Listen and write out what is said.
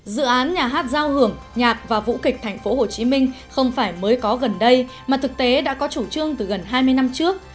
dự án nhà hát giao hưởng nhạc và vũ kịch tp hcm không phải mới có gần đây mà thực tế đã có chủ trương từ gần hai mươi năm trước